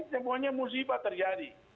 semuanya musibah terjadi